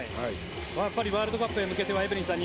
ワールドカップへ向けてはエブリンさん